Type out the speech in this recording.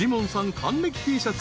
還暦Ｔシャツ］